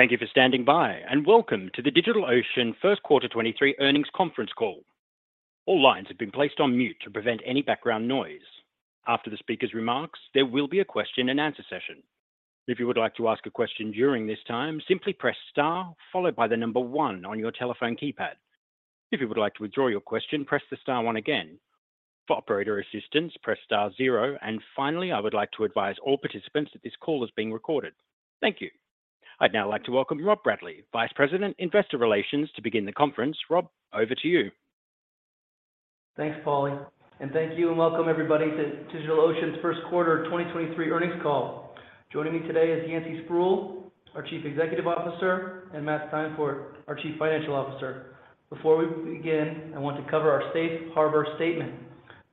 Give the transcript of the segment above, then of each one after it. Thank you for standing by, and welcome to the DigitalOcean first quarter 23 earnings conference call. All lines have been placed on mute to prevent any background noise. After the speaker's remarks, there will be a question and answer session. If you would like to ask a question during this time, simply press star followed by the 1 on your telephone keypad. If you would like to withdraw your question, press the star one again. For operator assistance, press star zero. Finally, I would like to advise all participants that this call is being recorded. Thank you. I'd now like to welcome Rob Bradley, Vice President, Investor Relations to begin the conference. Rob, over to you. Thanks, Paulie. Thank you and welcome everybody to DigitalOcean's first quarter 2023 earnings call. Joining me today is Yancey Spruill, our Chief Executive Officer, and Matt Steinfort, our Chief Financial Officer. Before we begin, I want to cover our safe harbor statement.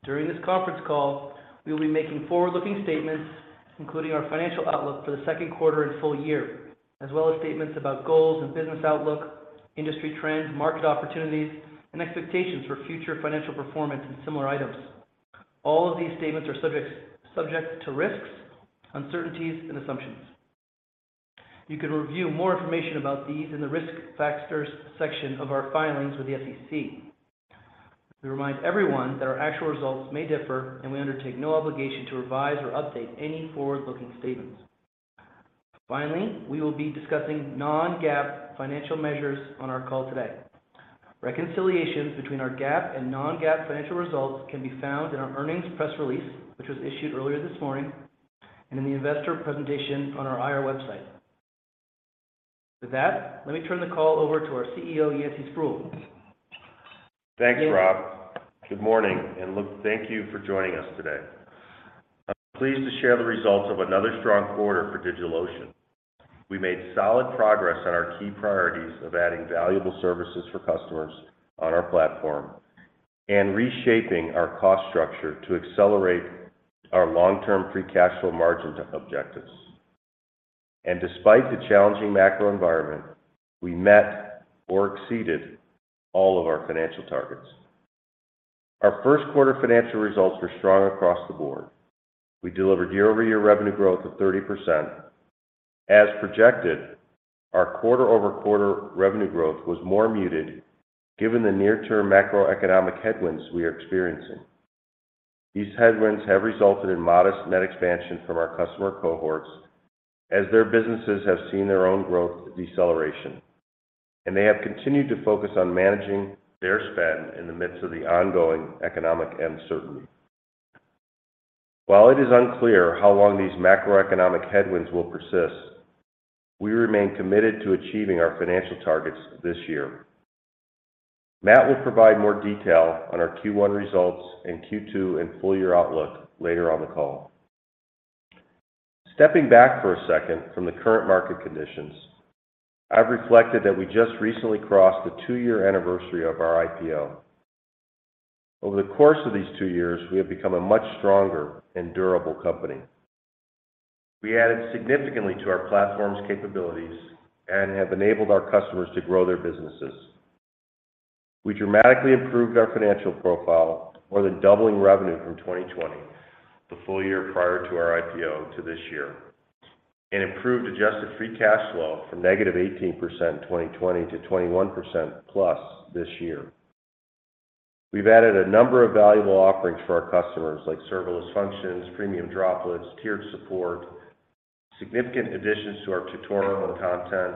During this conference call, we will be making forward-looking statements, including our financial outlook for the 2nd quarter and full year, as well as statements about goals and business outlook, industry trends, market opportunities, and expectations for future financial performance and similar items. All of these statements are subject to risks, uncertainties and assumptions. You can review more information about these in the Risk Factors section of our filings with the SEC. We remind everyone that our actual results may differ, and we undertake no obligation to revise or update any forward-looking statements. Finally, we will be discussing non-GAAP financial measures on our call today. Reconciliations between our GAAP and non-GAAP financial results can be found in our earnings press release, which was issued earlier this morning and in the investor presentation on our Investor Relations website. With that, let me turn the call over to our CEO, Yancey Spruill. Thanks, Rob. Good morning, look, thank you for joining us today. I'm pleased to share the results of another strong quarter for DigitalOcean. We made solid progress on our key priorities of adding valuable services for customers on our platform and reshaping our cost structure to accelerate our long-term free cash flow margin objectives. Despite the challenging macro environment, we met or exceeded all of our financial targets. Our first quarter financial results were strong across the board. We delivered year-over-year revenue growth of 30%. As projected, our quarter-over-quarter revenue growth was more muted given the near-term macroeconomic headwinds we are experiencing. These headwinds have resulted in modest net expansion from our customer cohorts as their businesses have seen their own growth deceleration, and they have continued to focus on managing their spend in the midst of the ongoing economic uncertainty. While it is unclear how long these macroeconomic headwinds will persist, we remain committed to achieving our financial targets this year. Matt will provide more detail on our Q1 results and Q2 and full year outlook later on the call. Stepping back for a second from the current market conditions, I've reflected that we just recently crossed the two-year anniversary of our IPO. Over the course of these two years, we have become a much stronger and durable company. We added significantly to our platform's capabilities and have enabled our customers to grow their businesses. We dramatically improved our financial profile, more than doubling revenue from 2020, the full year prior to our IPO to this year, and improved Adjusted free cash flow from negative 18% in 2020 to 21%+ this year. We've added a number of valuable offerings for our customers, like Serverless Functions, Premium Droplets, tiered support, significant additions to our tutorial content,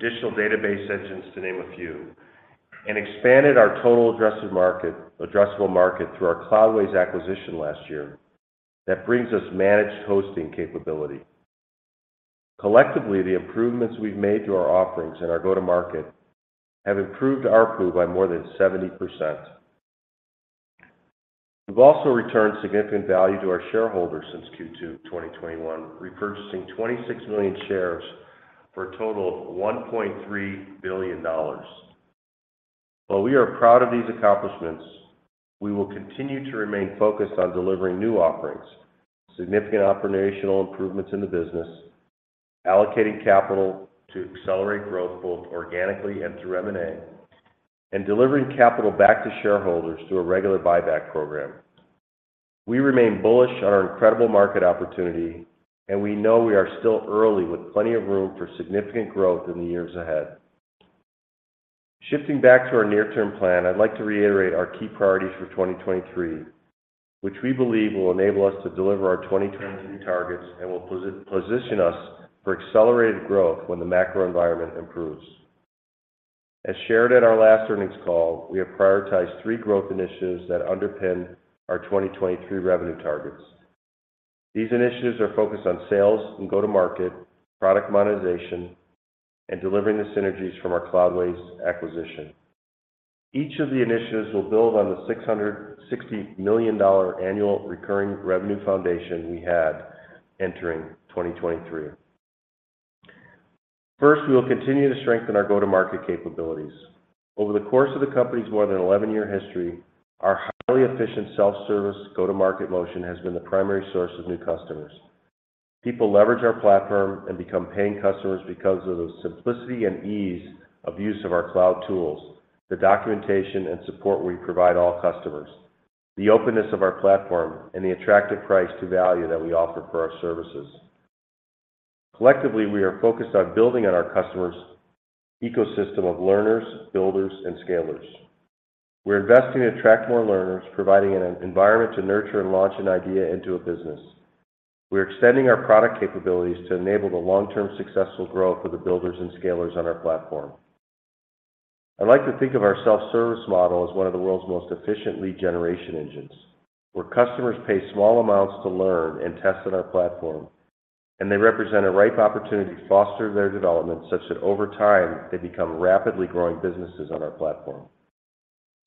additional database engines to name a few, and expanded our total addressable market through our Cloudways acquisition last year that brings us managed hosting capability. Collectively, the improvements we've made to our offerings and our go-to-market have improved our pool by more than 70%. We've also returned significant value to our shareholders since Q2 2021, repurchasing 26 million shares for a total of $1.3 billion. While we are proud of these accomplishments, we will continue to remain focused on delivering new offerings, significant operational improvements in the business, allocating capital to accelerate growth both organically and through M&A, and delivering capital back to shareholders through a regular buyback program. We remain bullish on our incredible market opportunity, and we know we are still early with plenty of room for significant growth in the years ahead. Shifting back to our near-term plan, I'd like to reiterate our key priorities for 2023, which we believe will enable us to deliver our 2023 targets and will position us for accelerated growth when the macro environment improves. As shared at our last earnings call, we have prioritized three growth initiatives that underpin our 2023 revenue targets. These initiatives are focused on sales and go-to-market, product monetization, and delivering the synergies from our Cloudways acquisition. Each of the initiatives will build on the $660 million Annual Recurring Revenue foundation we had entering 2023. First, we will continue to strengthen our go-to-market capabilities. Over the course of the company's more than 11-year history, our highly efficient self-service go-to-market motion has been the primary source of new customers. People leverage our platform and become paying customers because of the simplicity and ease of use of our cloud tools, the documentation and support we provide all customers. The openness of our platform and the attractive price to value that we offer for our services. Collectively, we are focused on building on our customers' ecosystem of learners, builders, and scalers. We're investing to attract more learners, providing an environment to nurture and launch an idea into a business. We're extending our product capabilities to enable the long-term successful growth of the builders and scalers on our platform. I like to think of our self-service model as one of the world's most efficient lead generation engines, where customers pay small amounts to learn and test on our platform, and they represent a ripe opportunity to foster their development such that over time, they become rapidly growing businesses on our platform.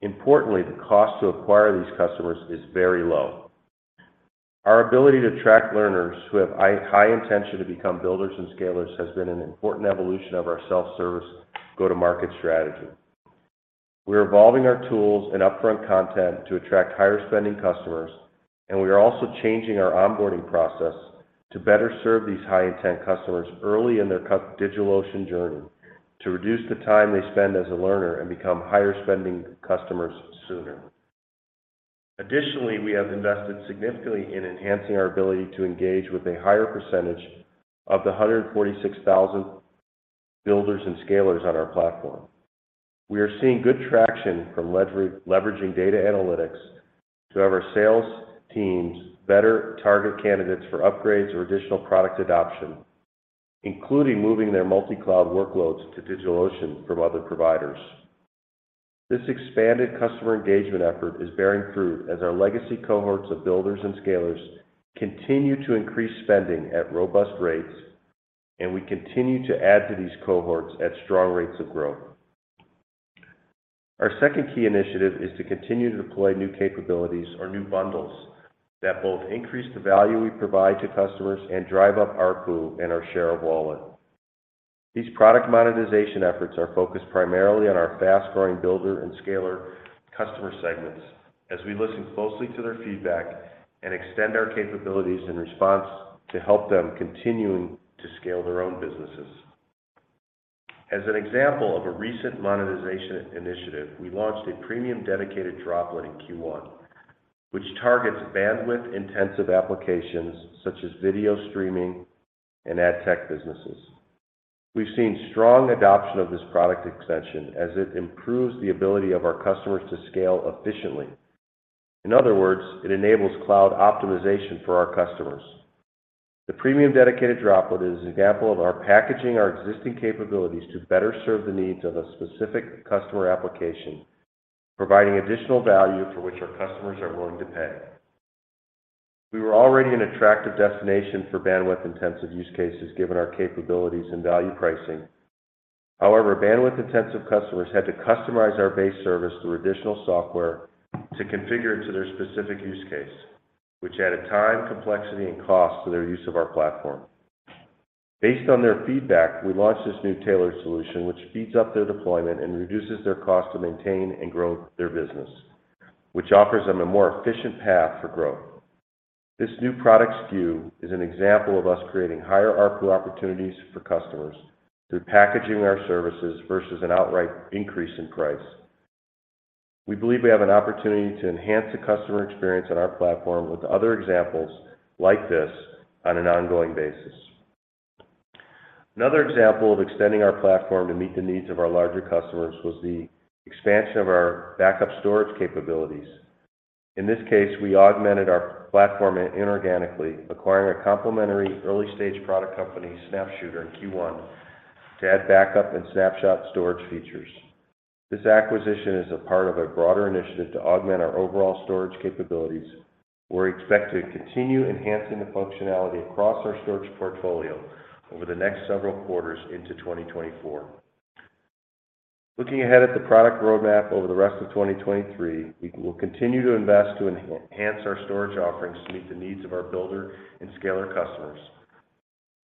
Importantly, the cost to acquire these customers is very low. Our ability to attract learners who have high intention to become builders and scalers has been an important evolution of our self-service go-to-market strategy. We're evolving our tools and upfront content to attract higher spending customers, and we are also changing our onboarding process to better serve these high-intent customers early in their DigitalOcean journey to reduce the time they spend as a learner and become higher spending customers sooner. Additionally, we have invested significantly in enhancing our ability to engage with a higher percentage of the 146,000 builders and scalers on our platform. We are seeing good traction from leveraging data analytics to have our sales teams better target candidates for upgrades or additional product adoption, including moving their multi-cloud workloads to DigitalOcean from other providers. This expanded customer engagement effort is bearing fruit as our legacy cohorts of builders and scalers continue to increase spending at robust rates, and we continue to add to these cohorts at strong rates of growth. Our second key initiative is to continue to deploy new capabilities or new bundles that both increase the value we provide to customers and drive up ARPU and our share of wallet. These product monetization efforts are focused primarily on our fast-growing builder and scaler customer segments as we listen closely to their feedback and extend our capabilities in response to help them continuing to scale their own businesses. As an example of a recent monetization initiative, we launched a Premium dedicated droplet in Q1, which targets bandwidth-intensive applications such as video streaming and ad tech businesses. We've seen strong adoption of this product extension as it improves the ability of our customers to scale efficiently. In other words, it enables cloud optimization for our customers. The Premium dedicated droplet is an example of our packaging our existing capabilities to better serve the needs of a specific customer application, providing additional value for which our customers are willing to pay. We were already an attractive destination for bandwidth-intensive use cases given our capabilities and value pricing. Bandwidth-intensive customers had to customize our base service through additional software to configure it to their specific use case, which added time, complexity, and cost to their use of our platform. Based on their feedback, we launched this new tailored solution, which speeds up their deployment and reduces their cost to maintain and grow their business, which offers them a more efficient path for growth. This new product SKU is an example of us creating higher ARPU opportunities for customers through packaging our services versus an outright increase in price. We believe we have an opportunity to enhance the customer experience on our platform with other examples like this on an ongoing basis. Another example of extending our platform to meet the needs of our larger customers was the expansion of our backup storage capabilities. In this case, we augmented our platform inorganically, acquiring a complementary early-stage product company, SnapShooter, in Q1 to add backup and snapshot storage features. This acquisition is a part of a broader initiative to augment our overall storage capabilities. We're expected to continue enhancing the functionality across our storage portfolio over the next several quarters into 2024. Looking ahead at the product roadmap over the rest of 2023, we will continue to invest to enhance our storage offerings to meet the needs of our builder and scaler customers.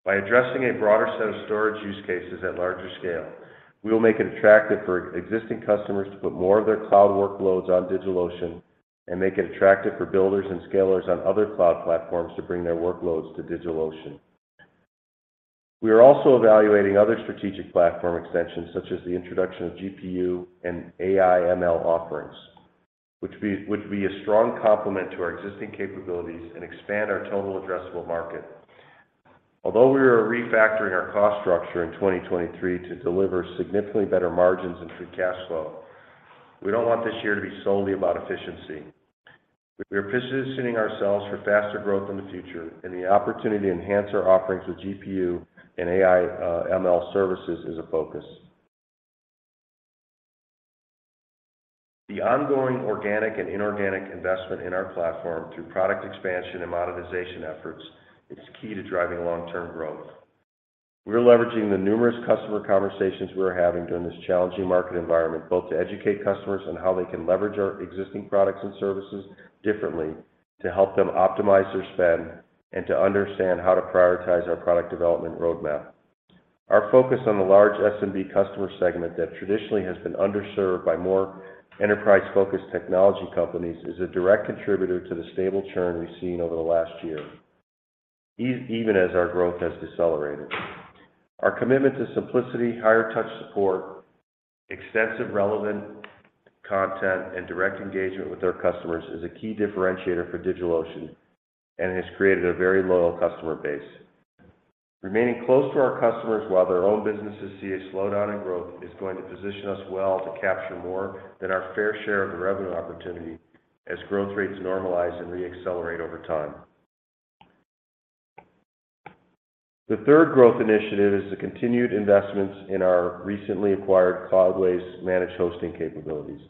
By addressing a broader set of storage use cases at larger scale, we will make it attractive for existing customers to put more of their cloud workloads on DigitalOcean and make it attractive for builders and scalers on other cloud platforms to bring their workloads to DigitalOcean. We are also evaluating other strategic platform extensions, such as the introduction of GPU and AI/ML offerings, which would be a strong complement to our existing capabilities and expand our total addressable market. Although we are refactoring our cost structure in 2023 to deliver significantly better margins and free cash flow, we don't want this year to be solely about efficiency. We are positioning ourselves for faster growth in the future, and the opportunity to enhance our offerings with GPU and AI ML services is a focus. The ongoing organic and inorganic investment in our platform through product expansion and monetization efforts is key to driving long-term growth. We are leveraging the numerous customer conversations we are having during this challenging market environment, both to educate customers on how they can leverage our existing products and services differently to help them optimize their spend and to understand how to prioritize our product development roadmap. Our focus on the large SMB customer segment that traditionally has been underserved by more enterprise-focused technology companies is a direct contributor to the stable churn we've seen over the last year. Even as our growth has decelerated. Our commitment to simplicity, higher touch support, extensive relevant content, and direct engagement with our customers is a key differentiator for DigitalOcean and has created a very loyal customer base. Remaining close to our customers while their own businesses see a slowdown in growth is going to position us well to capture more than our fair share of the revenue opportunity as growth rates normalize and re-accelerate over time. The third growth initiative is the continued investments in our recently acquired Cloudways managed hosting capabilities.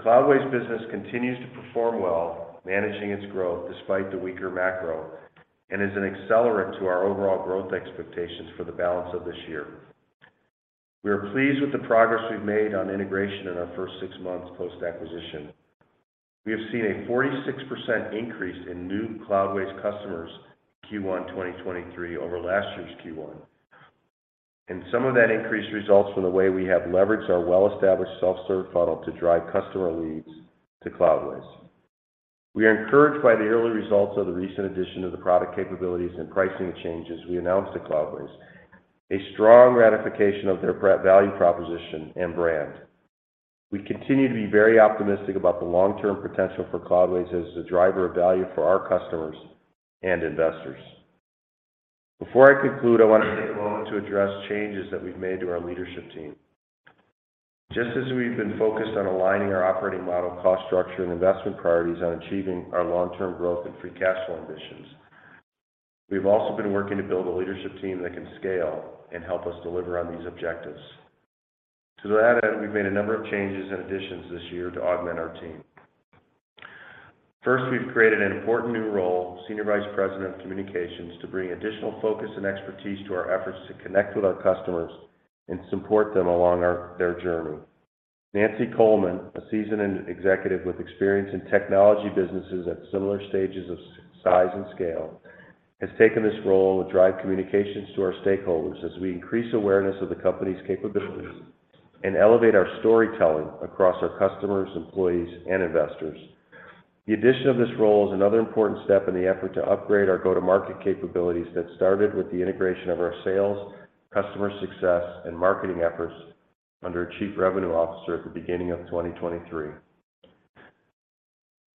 Cloudways business continues to perform well, managing its growth despite the weaker macro, and is an accelerant to our overall growth expectations for the balance of this year. We are pleased with the progress we've made on integration in our first six months post-acquisition. We have seen a 46% increase in new Cloudways customers Q1 2023 over last year's Q1. Some of that increase results from the way we have leveraged our well-established self-serve funnel to drive customer leads to Cloudways. We are encouraged by the early results of the recent addition of the product capabilities and pricing changes we announced to Cloudways, a strong ratification of their value proposition and brand. We continue to be very optimistic about the long-term potential for Cloudways as a driver of value for our customers and investors. Before I conclude, I want to take a moment to address changes that we've made to our leadership team. Just as we've been focused on aligning our operating model, cost structure, and investment priorities on achieving our long-term growth and free cash flow ambitions, we've also been working to build a leadership team that can scale and help us deliver on these objectives. To that end, we've made a number of changes and additions this year to augment our team. We've created an important new role, Senior Vice President of Communications, to bring additional focus and expertise to our efforts to connect with our customers and support them along their journey. Nancy Coleman, a seasoned executive with experience in technology businesses at similar stages of size and scale, has taken this role to drive communications to our stakeholders as we increase awareness of the company's capabilities and elevate our storytelling across our customers, employees, and investors. The addition of this role is another important step in the effort to upgrade our go-to-market capabilities that started with the integration of our sales, customer success, and marketing efforts under our Chief Revenue Officer at the beginning of 2023.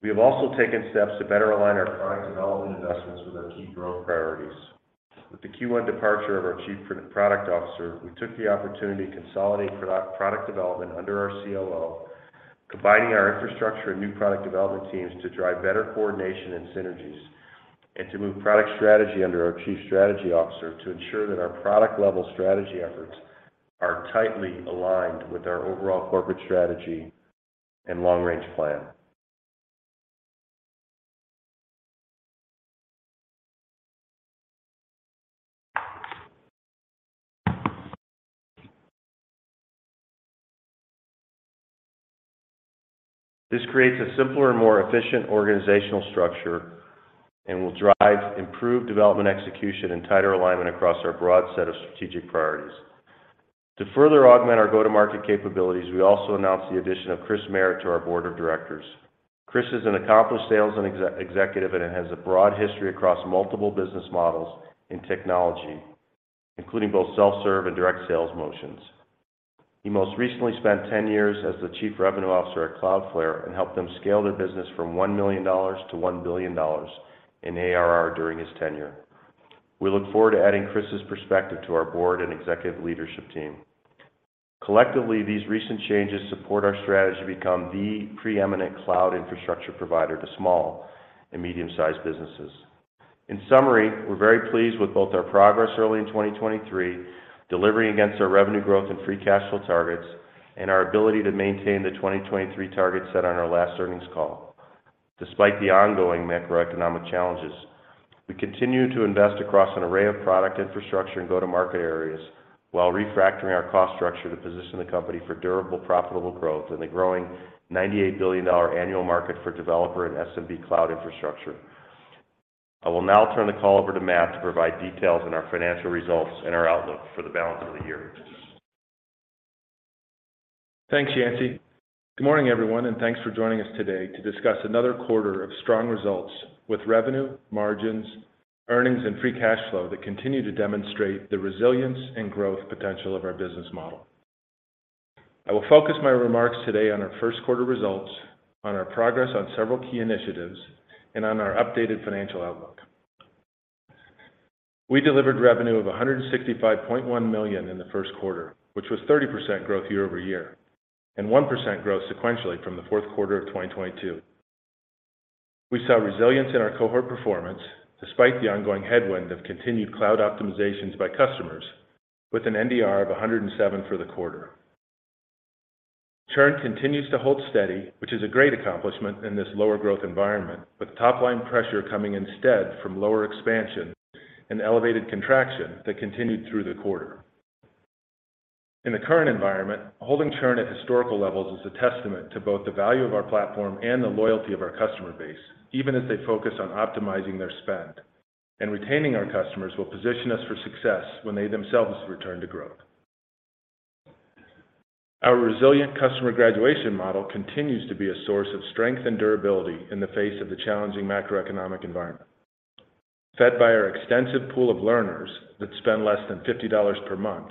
We have also taken steps to better align our product development investments with our key growth priorities. With the Q1 departure of our Chief Product Officer, we took the opportunity to consolidate product development under our COO, combining our infrastructure and new product development teams to drive better coordination and synergies, and to move product strategy under our Chief Strategy Officer to ensure that our product-level strategy efforts are tightly aligned with our overall corporate strategy and long-range plan. This creates a simpler and more efficient organizational structure and will drive improved development execution and tighter alignment across our broad set of strategic priorities. To further augment our go-to-market capabilities, we also announced the addition of Chris Merritt to our board of directors. Chris is an accomplished sales and executive, and has a broad history across multiple business models in technology, including both self-serve and direct sales motions. He most recently spent 10 years as the Chief Revenue Officer at Cloudflare and helped them scale their business from $1 million–$1 billion in ARR during his tenure. We look forward to adding Chris's perspective to our board and executive leadership team. Collectively, these recent changes support our strategy to become the preeminent cloud infrastructure provider to small and medium-sized businesses. In summary, we're very pleased with both our progress early in 2023, delivering against our revenue growth and free cash flow targets, and our ability to maintain the 2023 targets set on our last earnings call. Despite the ongoing macroeconomic challenges, we continue to invest across an array of product infrastructure and go-to-market areas while refactoring our cost structure to position the company for durable, profitable growth in the growing $98 billion annual market for developer and SMB cloud infrastructure. I will now turn the call over to Matt to provide details on our financial results and our outlook for the balance of the year. Thanks, Yancey. Good morning, everyone, and thanks for joining us today to discuss another quarter of strong results with revenue, margins, earnings, and free cash flow that continue to demonstrate the resilience and growth potential of our business model. I will focus my remarks today on our first quarter results, on our progress on several key initiatives, and on our updated financial outlook. We delivered revenue of $165.1 million in the first quarter, which was 30% growth year-over-year, and 1% growth sequentially from the fourth quarter of 2022. We saw resilience in our cohort performance despite the ongoing headwind of continued cloud optimizations by customers with an NDR of 107% for the quarter. Churn continues to hold steady, which is a great accomplishment in this lower growth environment, with top line pressure coming instead from lower expansion and elevated contraction that continued through the quarter. In the current environment, holding churn at historical levels is a testament to both the value of our platform and the loyalty of our customer base, even as they focus on optimizing their spend. Retaining our customers will position us for success when they themselves return to growth. Our resilient customer graduation model continues to be a source of strength and durability in the face of the challenging macroeconomic environment. Fed by our extensive pool of learners that spend less than $50 per month,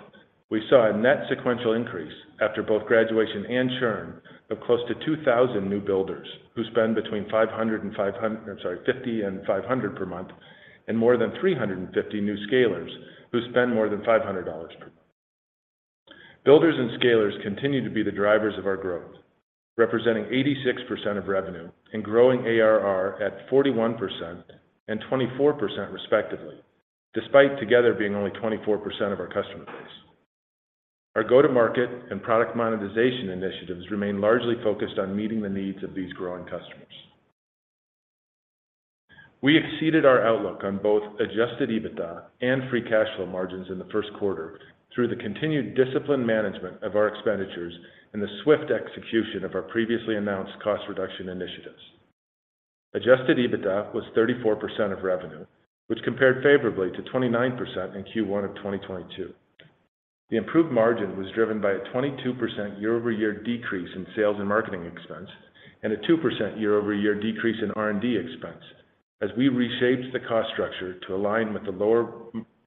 we saw a net sequential increase after both graduation and churn of close to 2,000 new builders who spend between $500 and $500... I'm sorry, $50 and $500 per month, and more than 350 new scalers who spend more than $500 per month. Builders and scalers continue to be the drivers of our growth, representing 86% of revenue and growing ARR at 41% and 24% respectively, despite together being only 24% of our customer base. Our go-to-market and product monetization initiatives remain largely focused on meeting the needs of these growing customers. We exceeded our outlook on both Adjusted EBITDA and free cash flow margins in the first quarter through the continued disciplined management of our expenditures and the swift execution of our previously announced cost reduction initiatives. Adjusted EBITDA was 34% of revenue, which compared favorably to 29% in Q1 of 2022. The improved margin was driven by a 22% year-over-year decrease in sales and marketing expense and a 2% year-over-year decrease in R&D expense as we reshaped the cost structure to align with the lower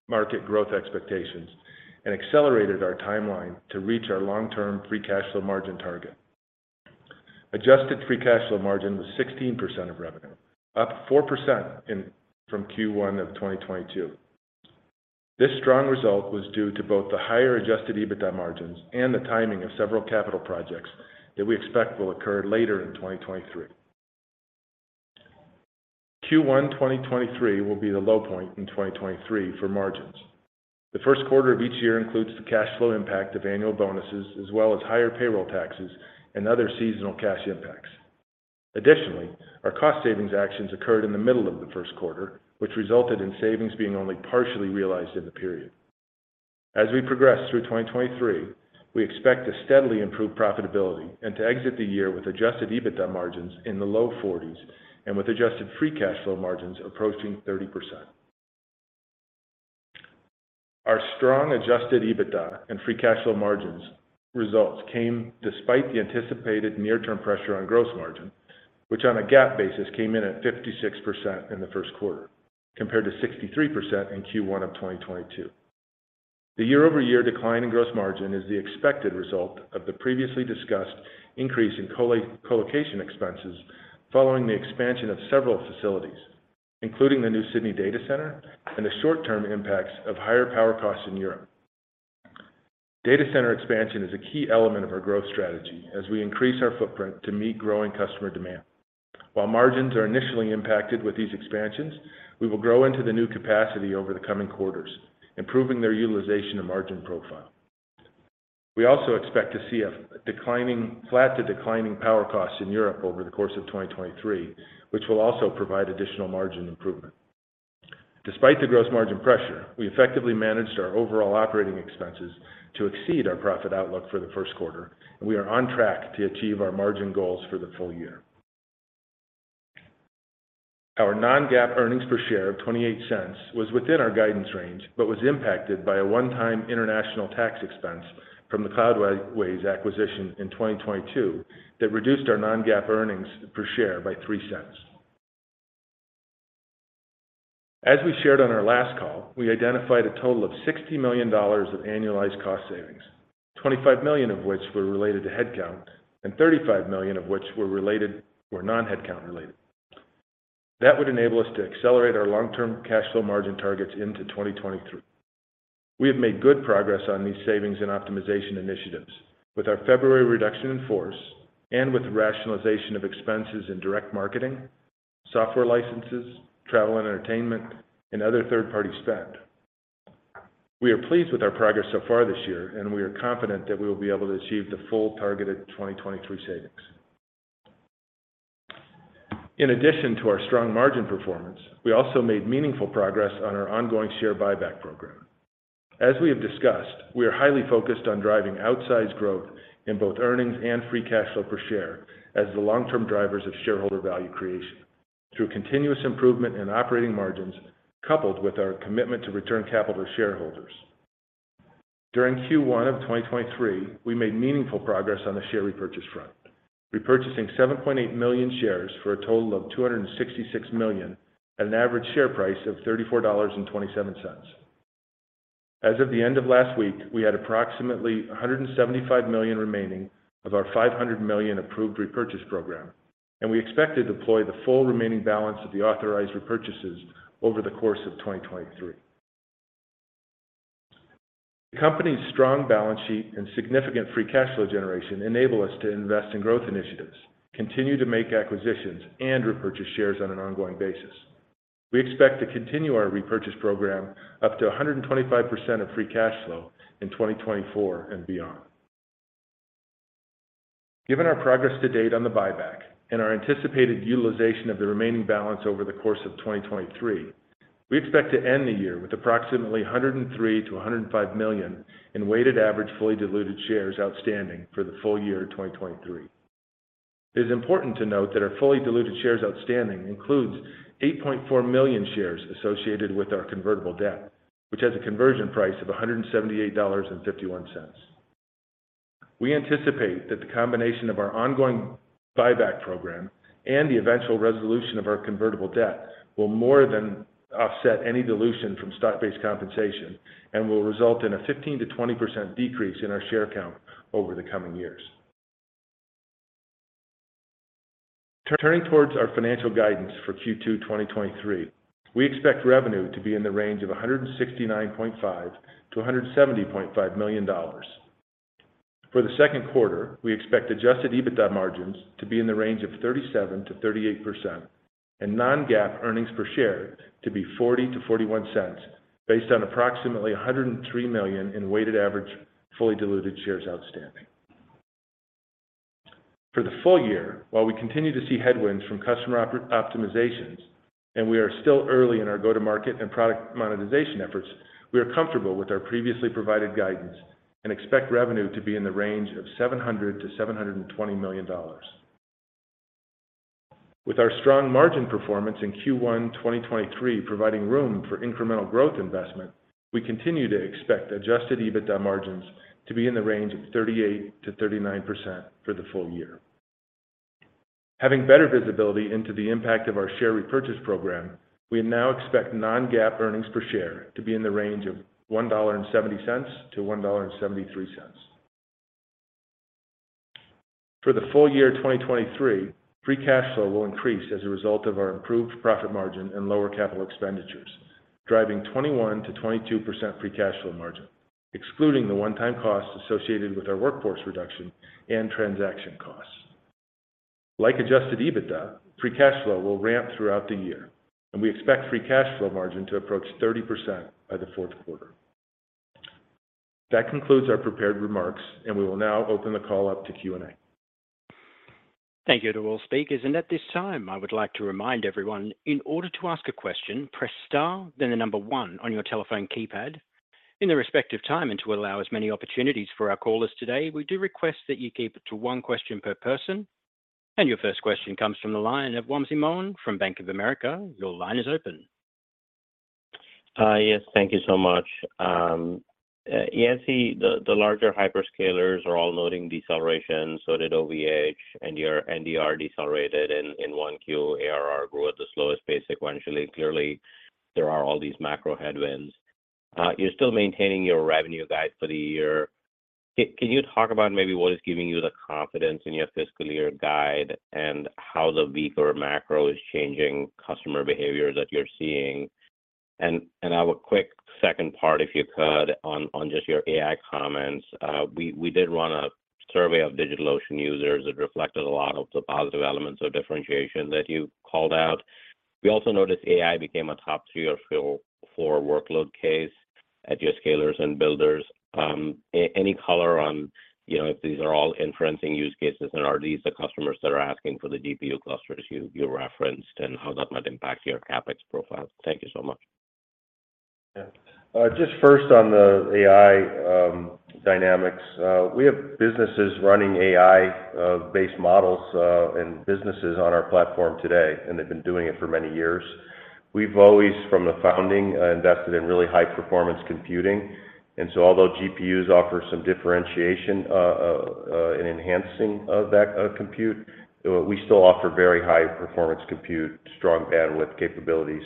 market growth expectations and accelerated our timeline to reach our long-term free cash flow margin target. Adjusted free cash flow margin was 16% of revenue, up 4% from Q1 of 2022. This strong result was due to both the higher Adjusted EBITDA margins and the timing of several capital projects that we expect will occur later in 2023. Q1 2023 will be the low point in 2023 for margins. The first quarter of each year includes the cash flow impact of annual bonuses as well as higher payroll taxes and other seasonal cash impacts. Additionally, our cost savings actions occurred in the middle of the 1st quarter, which resulted in savings being only partially realized in the period. As we progress through 2023, we expect to steadily improve profitability and to exit the year with Adjusted EBITDA margins in the low 40s and with adjusted free cash flow margins approaching 30%. Our strong Adjusted EBITDA and free cash flow margins results came despite the anticipated near-term pressure on gross margin, which on a GAAP basis came in at 56% in the 1st quarter compared to 63% in Q1 of 2022. The year-over-year decline in gross margin is the expected result of the previously discussed increase in colocation expenses following the expansion of several facilities, including the new Sydney data center and the short-term impacts of higher power costs in Europe. Data center expansion is a key element of our growth strategy as we increase our footprint to meet growing customer demand. While margins are initially impacted with these expansions, we will grow into the new capacity over the coming quarters, improving their utilization and margin profile. We also expect to see a flat to declining power costs in Europe over the course of 2023, which will also provide additional margin improvement. Despite the gross margin pressure, we effectively managed our overall operating expenses to exceed our profit outlook for the first quarter. We are on track to achieve our margin goals for the full year. Our non-GAAP earnings per share of $0.28 was within our guidance range. Was impacted by a one-time international tax expense from the Cloudways acquisition in 2022 that reduced our non-GAAP earnings per share by $0.03. As we shared on our last call, we identified a total of $60 million of annualized cost savings, $25 million of which were related to headcount, and $35 million of which were non-headcount related. That would enable us to accelerate our long-term cash flow margin targets into 2023. We have made good progress on these savings and optimization initiatives with our February reduction in force and with the rationalization of expenses in direct marketing, software licenses, travel and entertainment, and other third-party spend. We are pleased with our progress so far this year, and we are confident that we will be able to achieve the full targeted 2023 savings. In addition to our strong margin performance, we also made meaningful progress on our ongoing share buyback program. As we have discussed, we are highly focused on driving outsized growth in both earnings and free cash flow per share as the long-term drivers of shareholder value creation through continuous improvement in operating margins coupled with our commitment to return capital to shareholders. During Q1 of 2023, we made meaningful progress on the share repurchase front, repurchasing 7.8 million shares for a total of $266 million at an average share price of $34.27. As of the end of last week, we had approximately $175 million remaining of our $500 million approved repurchase program, and we expect to deploy the full remaining balance of the authorized repurchases over the course of 2023. The company's strong balance sheet and significant free cash flow generation enable us to invest in growth initiatives, continue to make acquisitions, and repurchase shares on an ongoing basis. We expect to continue our repurchase program up to 125% of free cash flow in 2024 and beyond. Given our progress to date on the buyback and our anticipated utilization of the remaining balance over the course of 2023, we expect to end the year with approximately $103 million–$105 million in weighted average fully diluted shares outstanding for the full year of 2023. It is important to note that our fully diluted shares outstanding includes 8.4 million shares associated with our convertible debt, which has a conversion price of $178.51. We anticipate that the combination of our ongoing buyback program and the eventual resolution of our convertible debt will more than offset any dilution from stock-based compensation and will result in a 15%–20% decrease in our share count over the coming years. Turning towards our financial guidance for Q2 2023, we expect revenue to be in the range of $169.5 million-$170.5 million. For the second quarter, we expect Adjusted EBITDA margins to be in the range of 37%–38% and non-GAAP earnings per share to be $0.40–$0.41 based on approximately $103 million in weighted average fully diluted shares outstanding. For the full year, while we continue to see headwinds from customer optimizations, we are still early in our go-to-market and product monetization efforts, we are comfortable with our previously provided guidance and expect revenue to be in the range of $700 million–$720 million. With our strong margin performance in Q1 2023 providing room for incremental growth investment, we continue to expect Adjusted EBITDA margins to be in the range of 38%-39% for the full year. Having better visibility into the impact of our share repurchase program, we now expect non-GAAP earnings per share to be in the range of $1.70–$1.73. For the full year 2023, free cash flow will increase as a result of our improved profit margin and lower capital expenditures, driving 21%–22% free cash flow margin, excluding the one-time costs associated with our workforce reduction and transaction costs. Like Adjusted EBITDA, free cash flow will ramp throughout the year, and we expect free cash flow margin to approach 30% by the fourth quarter. That concludes our prepared remarks, and we will now open the call up to Q&A. Thank you to all speakers. At this time, I would like to remind everyone, in order to ask a question, press star, then 1 on your telephone keypad. In the respect of time and to allow as many opportunities for our callers today, we do request that you keep it to one question per person. Your first question comes from the line of Wamsi Mohan from Bank of America. Your line is open. Yes. Thank you so much. Yancey, the larger hyperscalers are all noting deceleration, so did OVHcloud. NDR decelerated in 1Q. ARR grew at the slowest pace sequentially. Clearly, there are all these macro headwinds. You're still maintaining your revenue guide for the year. Can you talk about maybe what is giving you the confidence in your fiscal year guide and how the weaker macro is changing customer behavior that you're seeing? I have a quick second part, if you could, on just your AI comments. We did run a survey of DigitalOcean users that reflected a lot of the positive elements of differentiation that you called out. We also noticed AI became a top-tier fill for workload case at your scalers and builders. Any color on, you know, if these are all inferencing use cases, and are these the customers that are asking for the GPU clusters you referenced, and how that might impact your CapEx profile? Thank you so much. Yeah. Just first on the AI dynamics. We have businesses running AI based models and businesses on our platform today, and they've been doing it for many years. We've always, from the founding, invested in really high-performance computing. Although GPUs offer some differentiation in enhancing of that compute, we still offer very high-performance compute, strong bandwidth capabilities.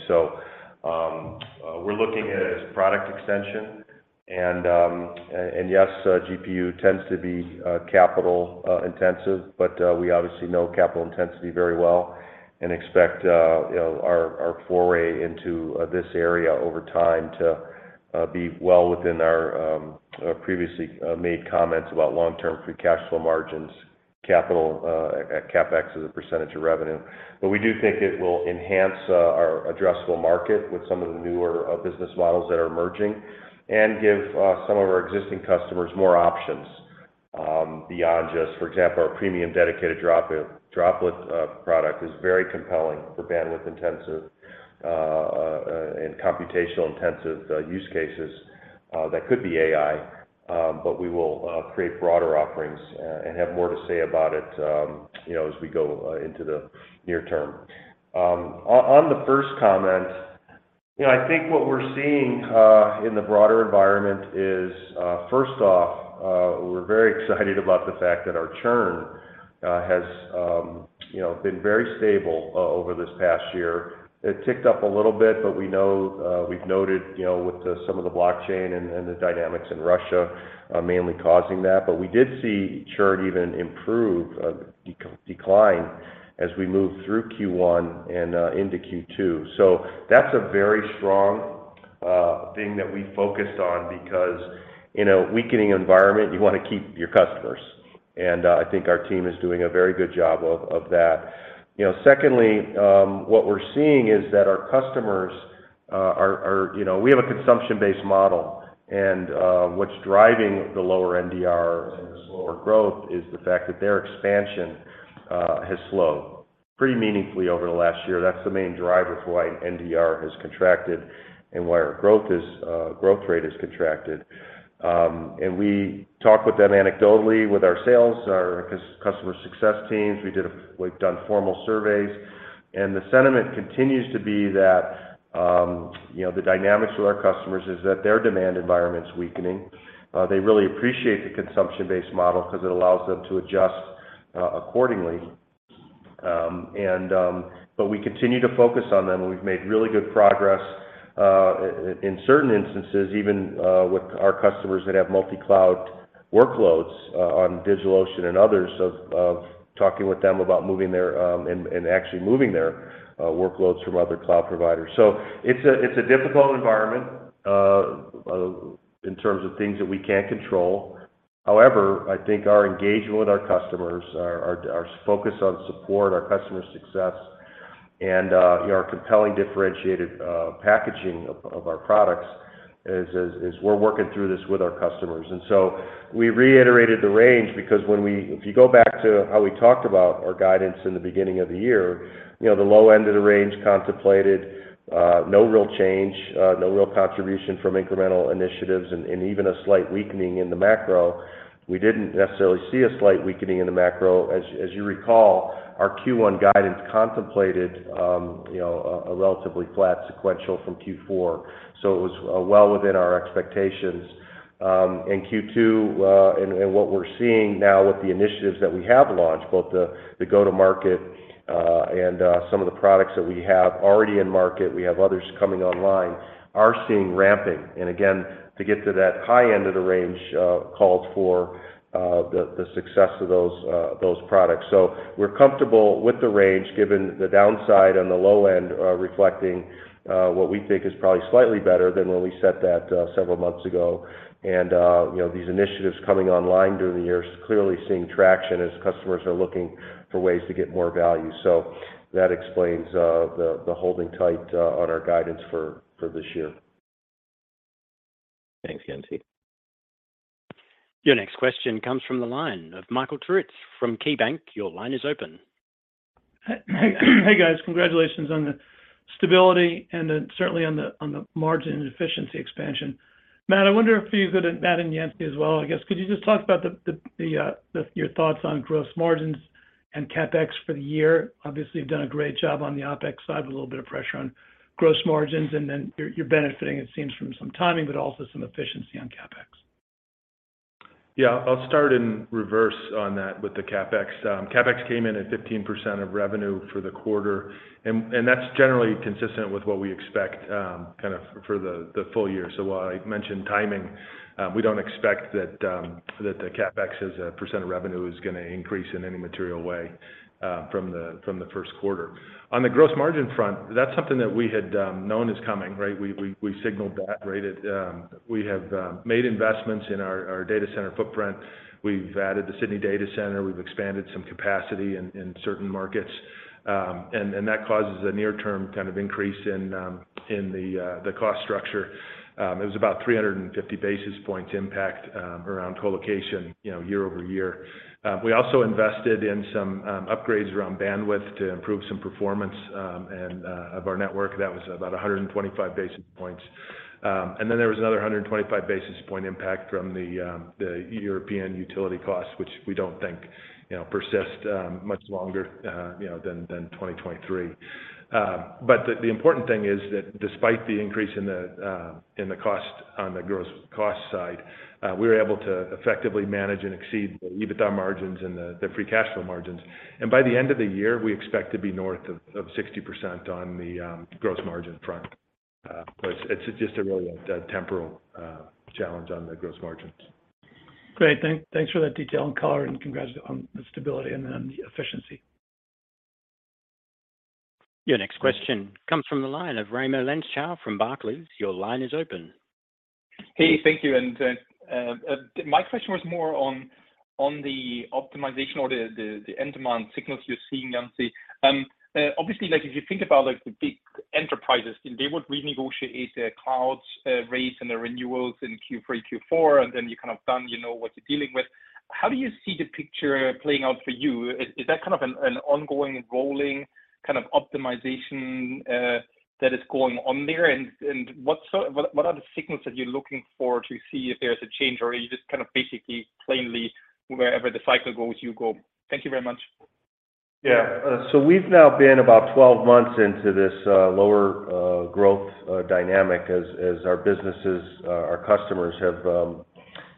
We're looking at it as product extension and yes, GPU tends to be capital intensive, but we obviously know capital intensity very well and expect, you know, our foray into this area over time to be well within our previously made comments about long-term free cash flow margins, capital, CapEx as a % of revenue. We do think it will enhance our addressable market with some of the newer business models that are emerging and give some of our existing customers more options beyond just, for example, our Premium Droplet product is very compelling for bandwidth-intensive and computational-intensive use cases that could be AI, but we will create broader offerings and have more to say about it, you know, as we go into the near term. On the first comment, you know, I think what we're seeing in the broader environment is first off, we're very excited about the fact that our churn has, you know, been very stable over this past year. It ticked up a little bit. We know, we've noted, you know, with the some of the blockchain and the dynamics in Russia, mainly causing that. We did see churn even improve, decline as we moved through Q1 and into Q2. That's a very strong thing that we focused on because in a weakening environment, you want to keep your customers. I think our team is doing a very good job of that. You know, secondly, what we're seeing is that our customers are, you know, we have a consumption-based model, and what's driving the lower NDR and the slower growth is the fact that their expansion has slowed pretty meaningfully over the last year. That's the main driver for why NDR has contracted and why our growth rate has contracted. We talk with them anecdotally with our sales, our customer success teams. We've done formal surveys, and the sentiment continues to be that, you know, the dynamics with our customers is that their demand environment's weakening. They really appreciate the consumption-based model 'cause it allows them to adjust accordingly. We continue to focus on them, and we've made really good progress in certain instances, even, with our customers that have multi-cloud workloads on DigitalOcean and others of talking with them about moving their, and actually moving their, workloads from other cloud providers. It's a difficult environment in terms of things that we can't control. I think our engagement with our customers, our focus on support, our customer success and, you know, our compelling differentiated packaging of our products is we're working through this with our customers. We reiterated the range because if you go back to how we talked about our guidance in the beginning of the year, you know, the low end of the range contemplated no real change, no real contribution from incremental initiatives and even a slight weakening in the macro. We didn't necessarily see a slight weakening in the macro. As you recall, our Q1 guidance contemplated, you know, a relatively flat sequential from Q4. It was well within our expectations. Q2, and what we're seeing now with the initiatives that we have launched, both the go-to-market, and some of the products that we have already in market, we have others coming online, are seeing ramping. Again, to get to that high end of the range, calls for the success of those products. We're comfortable with the range given the downside on the low end, reflecting what we think is probably slightly better than when we set that several months ago. You know, these initiatives coming online during the year is clearly seeing traction as customers are looking for ways to get more value. That explains the holding tight on our guidance for this year. Thanks, Yancey. Your next question comes from the line of Michael Turits from KeyBank. Your line is open. Hey, guys. Congratulations on the stability and then certainly on the margin efficiency expansion. Matt, I wonder if you could, and Matt and Yancey as well, I guess, could you just talk about your thoughts on gross margins and CapEx for the year? Obviously, you've done a great job on the OpEx side with a little bit of pressure on gross margins, and then you're benefiting, it seems, from some timing, but also some efficiency on CapEx. in reverse on that with the CapEx. CapEx came in at 15% of revenue for the quarter, and that's generally consistent with what we expect kind of for the full year. While I mentioned timing, we don't expect that the CapEx as a percent of revenue is going to increase in any material way from the first quarter. On the gross margin front, that's something that we had known is coming, right? We signaled that, right? It, we have made investments in our data center footprint. We've added the Sydney data center. We've expanded some capacity in certain markets, and that causes a near-term kind of increase in the cost structure. It was about a 350-basis-point impact, you know, year-over-year. We also invested in some upgrades around bandwidth to improve some performance of our network. That was about 125 basis points. There was another 125-basis-point impact from the European utility costs, which we don't think, you know, persist much longer, you know, than 2023. The important thing is that despite the increase in the cost on the gross cost side, we were able to effectively manage and exceed the EBITDA margins and the free cash flow margins. By the end of the year, we expect to be north of 60% on the gross margin front. It's just a really temporal challenge on the gross margins. Great. Thanks for that detail and color, and congrats on the stability and on the efficiency. Your next question comes from the line of Raimo Lenschow from Barclays. Your line is open. Hey, thank you. My question was more on the optimization or the end demand signals you're seeing, Yancey. Obviously, like, if you think about, like, the big enterprises and they would renegotiate their clouds rates and their renewals in Q3, Q4, and then you're kind of done, you know what you're dealing with. How do you see the picture playing out for you? Is that kind of an ongoing rolling kind of optimization that is going on there? What are the signals that you're looking for to see if there's a change, or are you just kind of basically plainly wherever the cycle goes, you go? Thank you very much. Yeah. We've now been about 12 months into this, lower growth dynamic as our businesses, our customers have,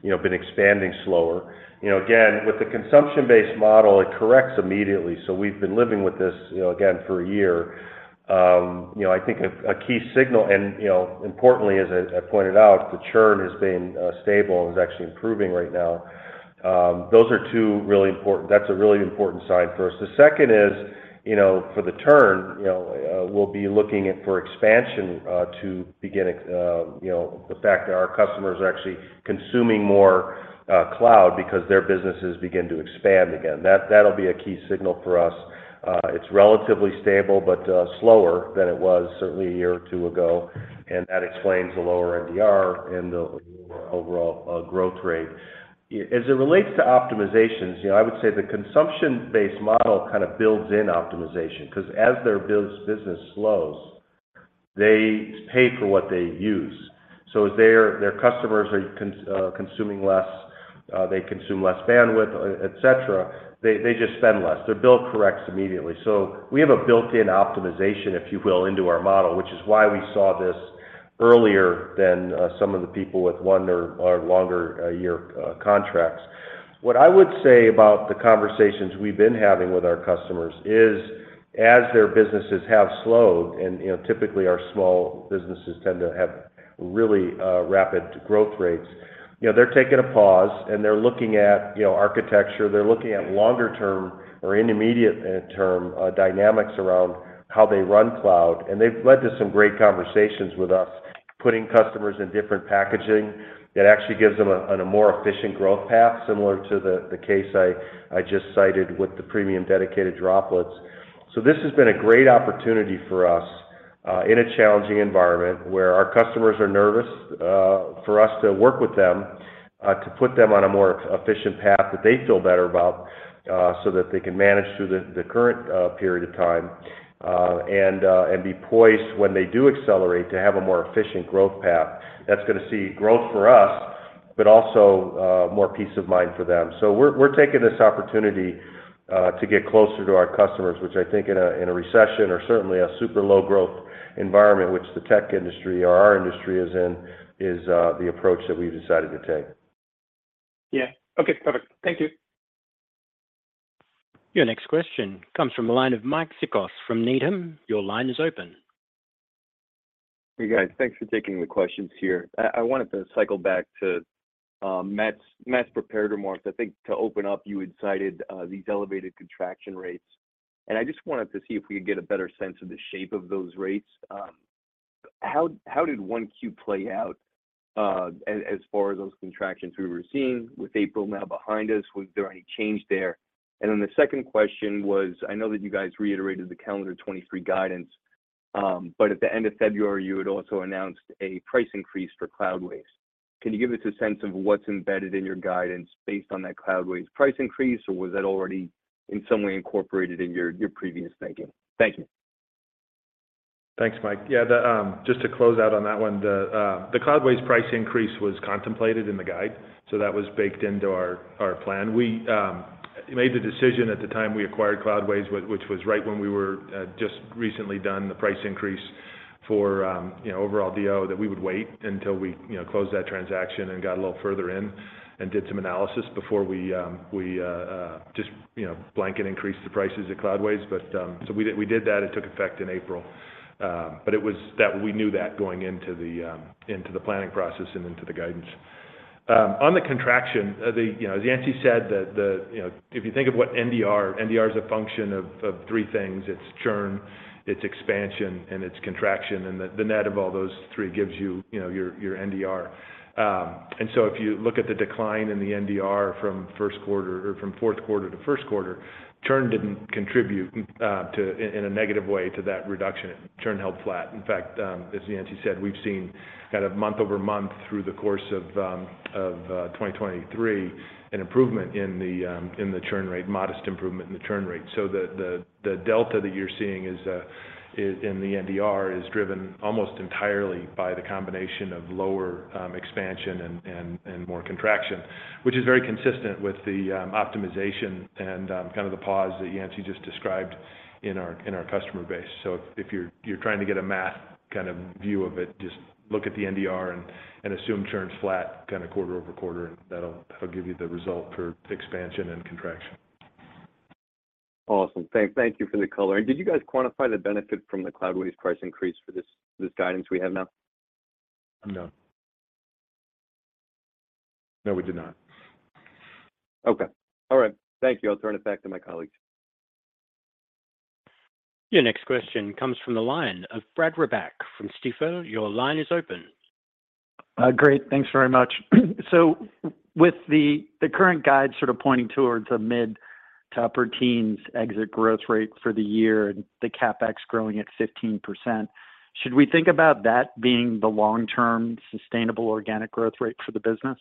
you know, been expanding slower. You know, again, with the consumption-based model, it corrects immediately. We've been living with this, you know, again, for a year. You know, I think a key signal and, you know, importantly, as I pointed out, the churn has been stable and is actually improving right now. That's a really important sign for us. The second is, you know, for the turn, you know, we'll be looking at for expansion to begin, you know, the fact that our customers are actually consuming more cloud because their businesses begin to expand again. That'll be a key signal for us. It's relatively stable but slower than it was certainly a year or 2 ago. That explains the lower NDR and the lower overall growth rate. As it relates to optimizations, you know, I would say the consumption-based model kind of builds in optimization, 'cause as their business slows, they pay for what they use. Their customers are consuming less, they consume less bandwidth, et cetera. They just spend less. Their bill corrects immediately. We have a built-in optimization, if you will, into our model, which is why we saw this earlier than some of the people with 1 or longer year contracts. What I would say about the conversations we've been having with our customers is, as their businesses have slowed, and, you know, typically our small businesses tend to have really rapid growth rates. You know, they're taking a pause and they're looking at, you know, architecture, they're looking at longer term or intermediate term dynamics around how they run cloud. They've led to some great conversations with us, putting customers in different packaging that actually gives them a more efficient growth path, similar to the case I just cited with the Premium dedicated Droplets. This has been a great opportunity for us, in a challenging environment where our customers are nervous, for us to work with them, to put them on a more efficient path that they feel better about, so that they can manage through the current period of time, and be poised when they do accelerate to have a more efficient growth path. That's going to see growth for us, but also more peace of mind for them. We're taking this opportunity to get closer to our customers, which I think in a recession or certainly a super low growth environment, which the tech industry or our industry is in, is the approach that we've decided to take. Yeah. Okay, perfect. Thank you. Your next question comes from a line of Mike Cikos from Needham. Your line is open. Hey, guys. Thanks for taking the questions here. I wanted to cycle back to Matt's prepared remarks. I think to open up, you had cited these elevated contraction rates, and I just wanted to see if we could get a better sense of the shape of those rates. How did 1Q play out as far as those contractions we were seeing with April now behind us? Was there any change there? The second question was, I know that you guys reiterated the calendar 23 guidance, but at the end of February, you had also announced a price increase for Cloudways. Can you give us a sense of what's embedded in your guidance based on that Cloudways price increase, or was that already in some way incorporated in your previous thinking? Thank you. Thanks, Mike. Yeah, just to close out on that one, the Cloudways price increase was contemplated in the guide, that was baked into our plan. We made the decision at the time we acquired Cloudways, which was right when we were just recently done the price increase for, you know, overall DO, that we would wait until we, you know, closed that transaction and got a little further in and did some analysis before we just, you know, blanket increase the prices at Cloudways. We did that. It took effect in April. It was that we knew that going into the planning process and into the guidance. On the contraction, you know, as Yancey said, you know, if you think of what NDR is a function of three things. It's churn, it's expansion, and it's contraction, and the net of all those three gives you know, your NDR. So if you look at the decline in the NDR from first quarter or from fourth quarter to first quarter, churn didn't contribute in a negative way to that reduction. Churn held flat. In fact, as Yancey said, we've seen kind of month-over-month through the course of 2023, an improvement in the churn rate, modest improvement in the churn rate. The delta that you're seeing is in the NDR is driven almost entirely by the combination of lower expansion and more contraction, which is very consistent with the optimization and kind of the pause that Yancey just described in our customer base. If you're trying to get a math kind of view of it, just look at the NDR and assume churn's flat kind of quarter-over-quarter, and that'll give you the result for expansion and contraction. Awesome. Thank you for the color. Did you guys quantify the benefit from the Cloudways price increase for this guidance we have now? No. No, we did not. Okay. All right. Thank you. I'll turn it back to my colleagues. Your next question comes from the line of Brad Reback from Stifel. Your line is open. Great. Thanks very much. With the current guide sort of pointing towards a mid to upper teens exit growth rate for the year and the CapEx growing at 15%, should we think about that being the long-term sustainable organic growth rate for the business?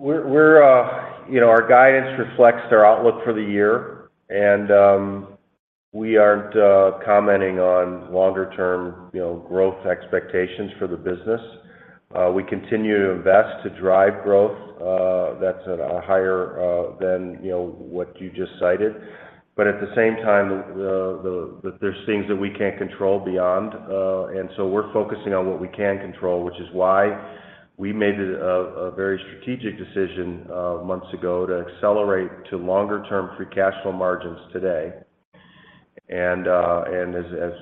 We're, you know, our guidance reflects our outlook for the year, and we aren't commenting on longer term, you know, growth expectations for the business. We continue to invest to drive growth, that's at a higher than, you know, what you just cited. At the same time, the there's things that we can't control beyond, and so we're focusing on what we can control, which is why we made a very strategic decision months ago to accelerate to longer term free cash flow margins today. As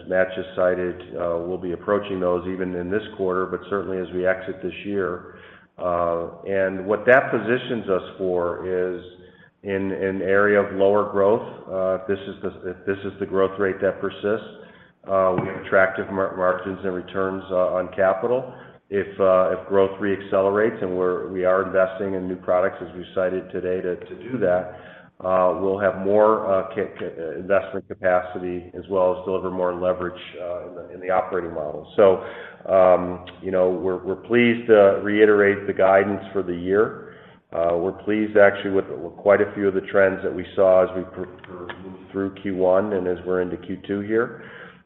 Matt just cited, we'll be approaching those even in this quarter, but certainly as we exit this year. What that positions us for is in an area of lower growth, if this is the growth rate that persists, we have attractive markets and returns on capital. If growth re-accelerates and we are investing in new products, as we've cited today to do that, we'll have more CapEx investment capacity as well as deliver more leverage in the operating model. You know, we're pleased to reiterate the guidance for the year. We're pleased actually with quite a few of the trends that we saw as we moved through Q1 and as we're into Q2 here.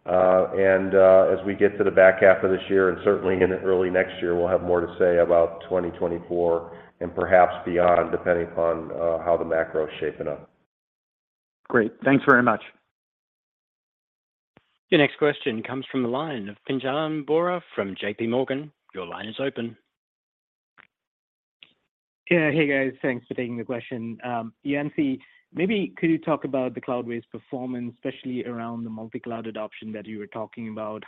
As we get to the back half of this year and certainly in early next year, we'll have more to say about 2024, and perhaps beyond, depending upon how the macro is shaping up. Great. Thanks very much. Your next question comes from the line of Pinjalim Bora from JPMorgan. Your line is open. Hey, guys. Thanks for taking the question. Yancey, maybe could you talk about the Cloudways performance, especially around the multi-cloud adoption that you were talking about?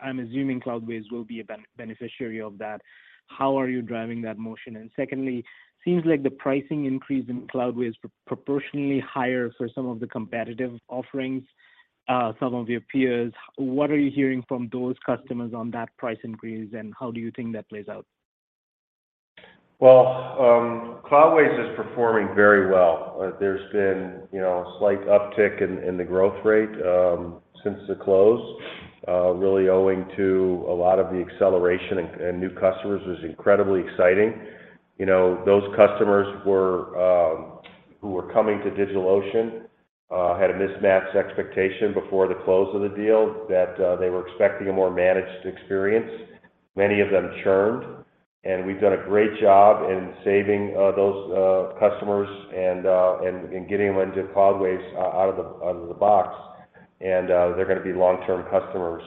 I'm assuming Cloudways will be a beneficiary of that. How are you driving that motion? Secondly, seems like the pricing increase in Cloudways is proportionally higher for some of the competitive offerings, some of your peers. What are you hearing from those customers on that price increase, and how do you think that plays out? Cloudways is performing very well. There's been, you know, a slight uptick in the growth rate since the close, really owing to a lot of the acceleration and new customers. It was incredibly exciting. You know, those customers were who were coming to DigitalOcean had a mismatched expectation before the close of the deal that they were expecting a more managed experience. Many of them churned, we've done a great job in saving those customers and getting them into Cloudways out of the box. They're going to be long-term customers.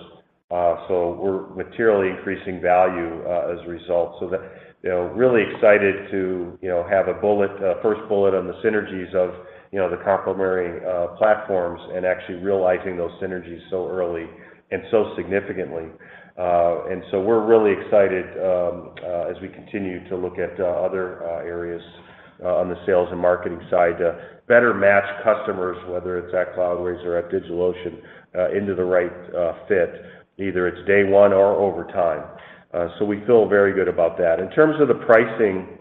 We're materially increasing value as a result. That, you know, really excited to, you know, have a bullet, first bullet on the synergies of, you know, the complementary platforms and actually realizing those synergies so early and so significantly. We're really excited, as we continue to look at other areas on the sales and marketing side to better match customers, whether it's at Cloudways or at DigitalOcean, into the right fit, either it's day one or over time. We feel very good about that. In terms of the pricing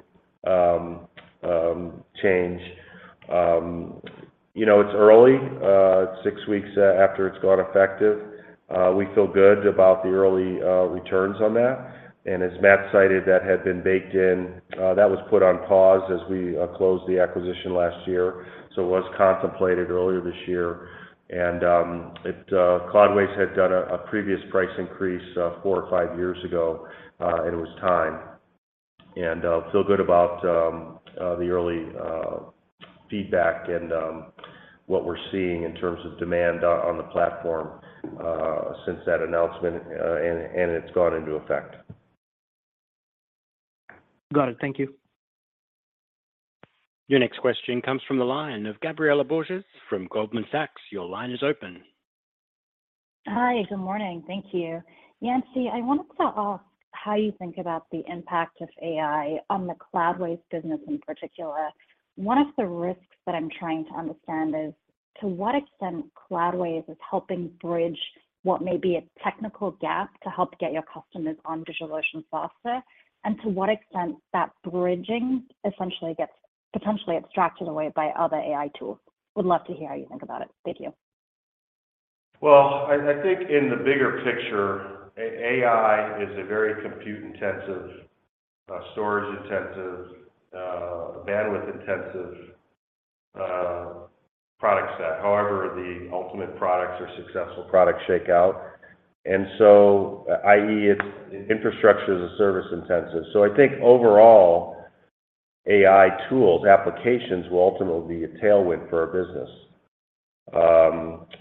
change, you know, it's early. Six weeks after it's gone effective. We feel good about the early returns on that. And as Matt cited, that had been baked in. That was put on pause as we closed the acquisition last year. It was contemplated earlier this year. It, Cloudways had done a previous price increase, four or five years ago, and it was time. Feel good about the early feedback and what we're seeing in terms of demand on the platform since that announcement, and it's gone into effect. Got it. Thank you. Your next question comes from the line of Gabriela Borges from Goldman Sachs. Your line is open. Hi. Good morning. Thank you. Yancey, I wanted to ask how you think about the impact of AI on the Cloudways business in particular. One of the risks that I'm trying to understand is, to what extent Cloudways is helping bridge what may be a technical gap to help get your customers on DigitalOcean faster, and to what extent that bridging essentially gets potentially abstracted away by other AI tools. Would love to hear how you think about it. Thank you. Well, I think in the bigger picture, AI is a very compute-intensive, storage-intensive, bandwidth-intensive, product set. However, the ultimate products or successful products shake out. I.e., it's infrastructure as a service intensive. I think overall, AI tools, applications will ultimately be a tailwind for our business.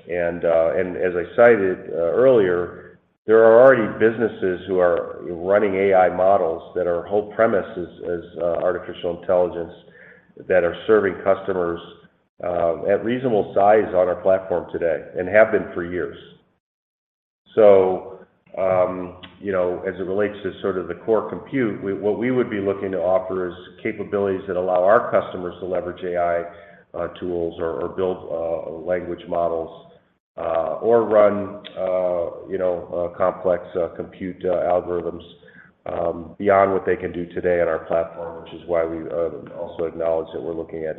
And as I cited earlier, there are already businesses who are running AI models that our whole premise is artificial intelligence that are serving customers at reasonable size on our platform today and have been for years. You know, as it relates to sort of the core compute, what we would be looking to offer is capabilities that allow our customers to leverage AI tools or build language models or run, you know, complex compute algorithms beyond what they can do today on our platform, which is why we also acknowledge that we're looking at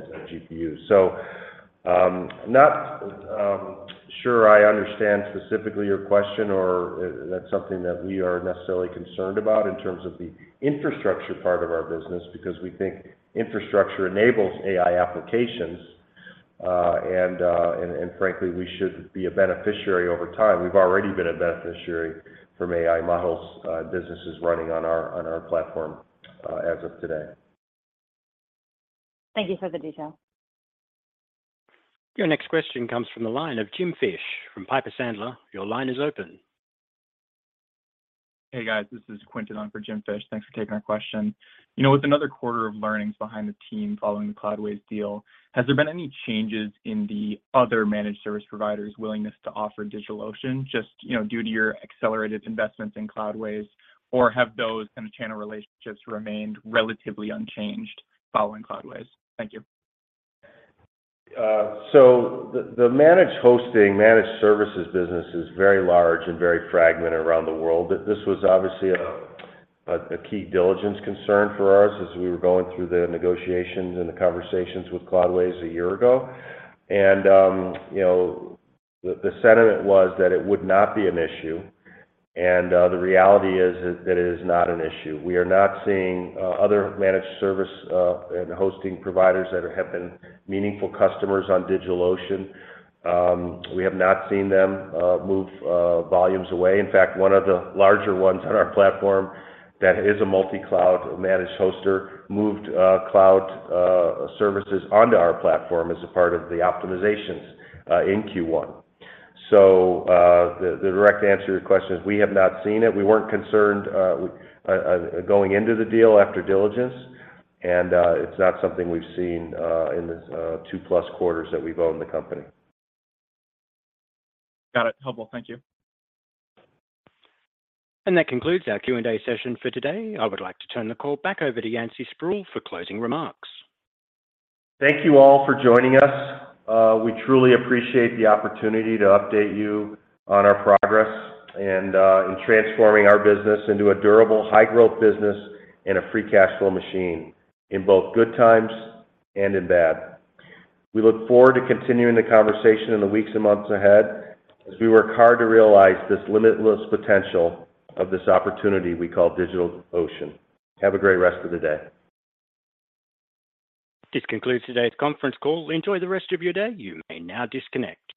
GPUs. Not sure I understand specifically your question or that's something that we are necessarily concerned about in terms of the infrastructure part of our business because we think infrastructure enables AI applications. Frankly, we should be a beneficiary over time. We've already been a beneficiary from AI models, businesses running on our platform as of today. Thank you for the detail. Your next question comes from the line of Jim Fish from Piper Sandler. Your line is open. Hey, guys. This is Quinton on for Jim Fish. Thanks for taking our question. You know, with another quarter of learnings behind the team following the Cloudways deal, has there been any changes in the other managed service providers' willingness to offer DigitalOcean just, you know, due to your accelerated investments in Cloudways, or have those and the channel relationships remained relatively unchanged following Cloudways? Thank you. The managed hosting, managed services business is very large and very fragmented around the world. This was obviously a key diligence concern for us as we were going through the negotiations and the conversations with Cloudways a year ago. You know, the sentiment was that it would not be an issue. The reality is that it is not an issue. We are not seeing other managed service and hosting providers that have been meaningful customers on DigitalOcean. We have not seen them move volumes away. In fact, one of the larger ones on our platform that is a multi-cloud managed hoster moved cloud services onto our platform as a part of the optimizations in Q1. The direct answer to your question is we have not seen it. We weren't concerned, going into the deal after diligence. It's not something we've seen, in the two-plus quarters that we've owned the company. Got it. Helpful. Thank you. That concludes our Q&A session for today. I would like to turn the call back over to Yancey Spruill for closing remarks. Thank you all for joining us. We truly appreciate the opportunity to update you on our progress and in transforming our business into a durable, high-growth business and a free cash flow machine in both good times and in bad. We look forward to continuing the conversation in the weeks and months ahead as we work hard to realize this limitless potential of this opportunity we call DigitalOcean. Have a great rest of the day. This concludes today's conference call. Enjoy the rest of your day. You may now disconnect.